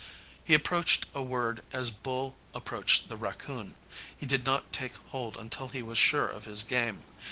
He approached a word as Bull approached the raccoon. He did not take hold until he was sure of his game.